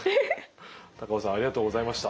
高尾さんありがとうございました。